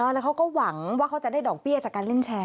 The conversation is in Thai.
แล้วเขาก็หวังว่าเขาจะได้ดอกเบี้ยจากการเล่นแชร์